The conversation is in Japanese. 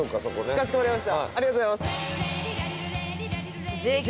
ありがとうございます。